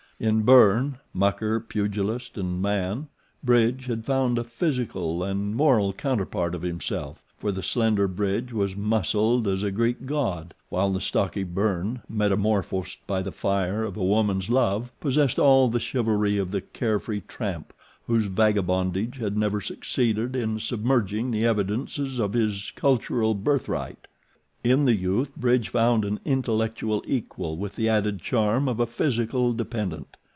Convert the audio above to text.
In Byrne, mucker, pugilist, and MAN, Bridge had found a physical and moral counterpart of himself, for the slender Bridge was muscled as a Greek god, while the stocky Byrne, metamorphosed by the fire of a woman's love, possessed all the chivalry of the care free tramp whose vagabondage had never succeeded in submerging the evidences of his cultural birthright. In the youth Bridge found an intellectual equal with the added charm of a physical dependent.